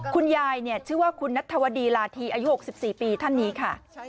คุณยายชื่อว่าคุณนัทธวดีลาธีอายุ๖๔ปีท่านนี้ค่ะ